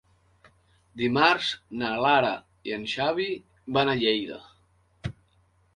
Dimarts na Lara i en Xavi van a Lleida.